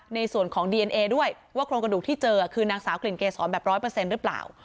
ในส่วนของดีเอ็นเอด้วยว่าโครงกระดูกที่เจอคือนางสาวกลิ่นเกษรแบบร้อยเปอร์เซ็นต์หรือเปล่า